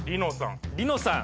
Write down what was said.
璃乃さん。